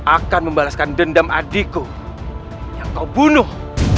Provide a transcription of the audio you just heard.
akan membalaskan dendam adikku yang kau bunuh